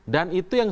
dan itu yang